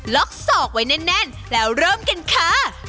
อกศอกไว้แน่นแล้วเริ่มกันค่ะ